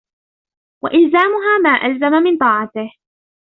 وَإِلْزَامُهَا مَا أَلْزَمَ مِنْ طَاعَتِهِ